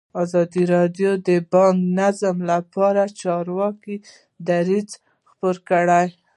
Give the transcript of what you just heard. ازادي راډیو د بانکي نظام لپاره د چارواکو دریځ خپور کړی.